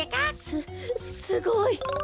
すすごい！